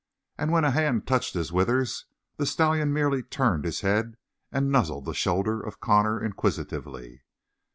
And when a hand touched his withers, the stallion merely turned his head and nuzzled the shoulder of Connor inquisitively.